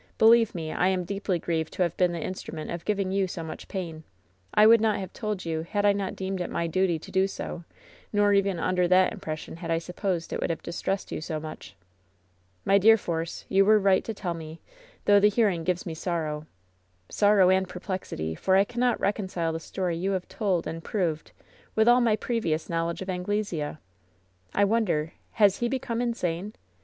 "Believe me, I am deeply grieved to have been the in strument of giving you so much pain. I would not have told you had I not deemed it my duty to do so; nor even under that impression had I supposed it would have distressed you so much." "My dear Force, you were right to tell me, though the hearing gives me sorrow — sorrow and perplexity, for I cannot reconcile the story you have told and proved with all my previous knowledge of Anglesea. I won der, has he become insane ?